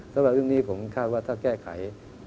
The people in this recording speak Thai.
สำหรับเรื่องนี้ผมคาดว่าถ้าแก้ไข